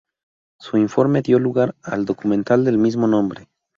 Su informe dio lugar al documental del mismo nombre.